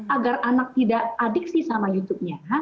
agar anak tidak adik sih sama youtube nya